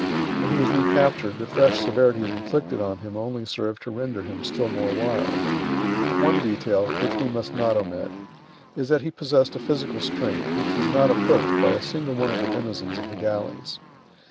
When he was recaptured, the fresh severities inflicted on him only served to render him still more wild. One detail, which we must not omit, is that he possessed a physical strength which was not approached by a single one of the denizens of the galleys.